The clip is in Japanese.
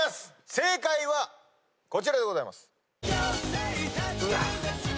正解はこちらでございます。